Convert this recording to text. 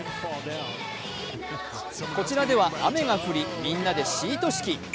こちらでは雨が降り、みんなでシート敷き。